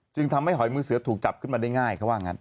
จึงทำให้หอยมือเสือถูกจับขึ้นมาได้ง่ายเขาว่างั้น